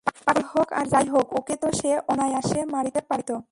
পাগল হোক আর যাই হোক, ওকে তো সে অনায়াসে মারিতে পারিত।